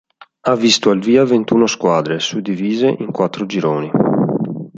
Ha visto al via ventuno squadre, suddivise in quattro gironi.